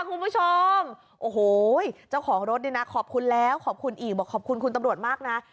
คุณผู้ชมโอ้โหเจ้าของรถนี่นะขอบคุณแล้วขอบคุณอีกบอกขอบคุณคุณตำรวจมากนะ